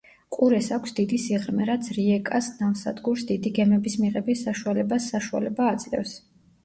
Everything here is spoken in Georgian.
ყურეს აქვს დიდი სიღრმე, რაც რიეკას ნავსადგურს დიდი გემების მიღების საშუალებას საშუალება აძლევს.